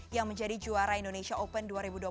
yang menjadi juara indonesia open dua ribu dua puluh tiga